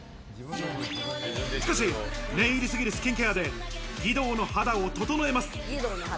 しかし、念入りすぎるスキンケアで義堂の肌を整えます。